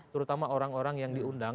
terutama orang orang yang diundang